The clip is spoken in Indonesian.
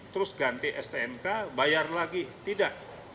terus ganti stnk bayar lagi tidak